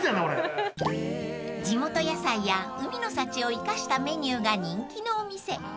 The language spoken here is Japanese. ［地元野菜や海の幸を生かしたメニューが人気のお店］